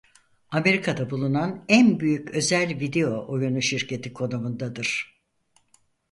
Amerika'da bulunan en büyük özel video oyunu şirketi konumundadır.